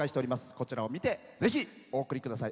こちらを見てぜひお送りください。